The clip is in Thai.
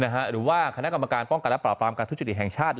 หรือว่าคณะกรรมการป้องกันและปราบปรามการทุจริตแห่งชาติ